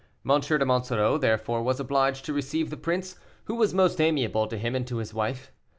M. de Monsoreau therefore was obliged to receive the prince, who was most amiable to him and to his wife.